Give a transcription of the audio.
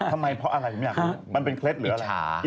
ทำไมเพราะอะไรมันเป็นเคล็ดหรืออะไร